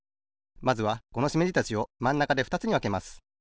まずはこのしめじたちをまんなかでふたつにわけます。